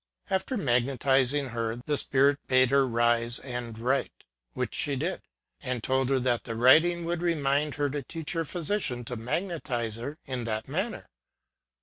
After magnetizing her, the spirit bade her THE PROPHETIC SPIRIT. 81 rise and write ŌĆö which she did ŌĆö and told her that the writing would remind her to teach her physician to magnetize her in that manner.